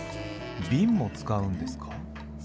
ビンも使うんですか？